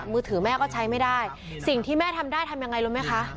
มือถือแม่ก็ใช้ไม่ได้สิ่งที่แม่ทำได้ทำยังไงรู้ไหมคะ